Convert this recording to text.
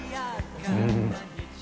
うん。